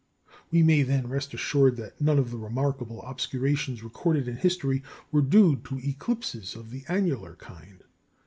We may, then, rest assured that none of the remarkable obscurations recorded in history were due to eclipses of the annular kind.